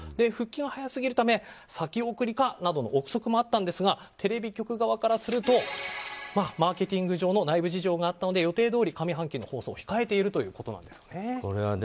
復帰が早すぎるため先送りかという憶測もあったんですがテレビ局側からするとマーケティング上の内部事情があったので予定どおり上半期の放送を控えているということなんですよね。